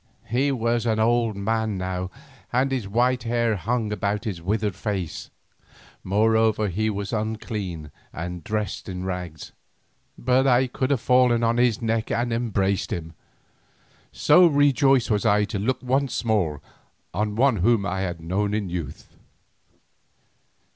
He was an old man now and his white hair hung about his withered face, moreover he was unclean and dressed in rags, but I could have fallen on his neck and embraced him, so rejoiced was I to look once more on one whom I had known in youth.